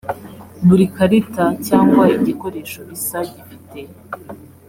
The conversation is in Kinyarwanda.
buri karita cyangwa igikoresho bisa gifite